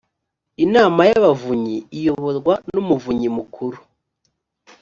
inama y ‘abavunyi iyoborwa n’ umuvunyi mukuru